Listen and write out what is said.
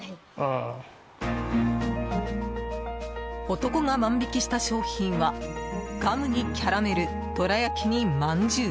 男が万引きした商品はガムにキャラメルどら焼きにまんじゅう。